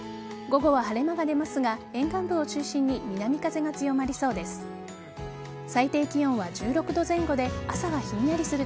午後は晴れ間が出ますが沿岸部を中心に南風が強まりそうです。